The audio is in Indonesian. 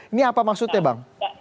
ini apa maksudnya bang